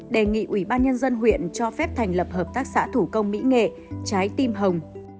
đề nghị ủy ban nhân dân huyện cho phép thành lập hợp tác xã thủ công mỹ nghệ trái tim hồng